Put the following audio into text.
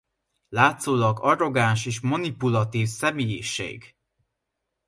Látszólag arrogáns és manipulatív személyiség.